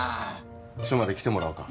署まで来てもらおうか。